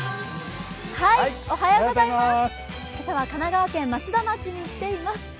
今朝は神奈川県松田町に来ています。